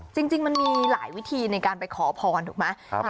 จริงมันมีหลายวิธีในการไปขอพรถูกไหม